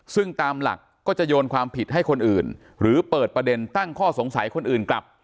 ซึ่งตามหลักก็จะโยนความผิดให้คนอื่นหรือเปิดประเด็นตั้งข้อสงสัยคนอื่นกลับ